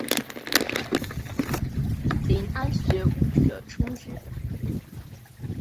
遴谙学务者充之。